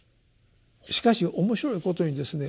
しかし面白いことにですね